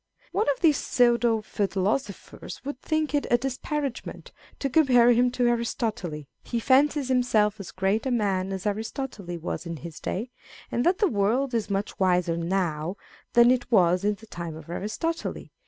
One of these pseudo philosophers would think it a disparagement to compare him to Aristotle : lie fancies himself as great a man as Aristotle was in his day, and that the world is much wiser now than it was in the time of Aristotle.